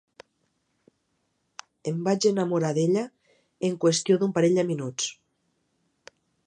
Em vaig enamorar d'ella en qüestió d'un parell de minuts.